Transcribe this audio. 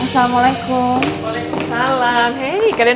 sampai ketemu again